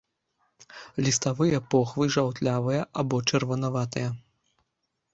Ліставыя похвы жаўтлявыя або чырванаватыя.